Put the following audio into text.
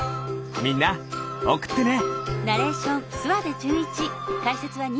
みんなおくってね。